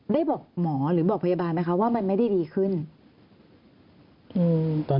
ได้บอกหมอหรือบอกพยาบาลไหมคะว่ามันไม่ได้ดีขึ้น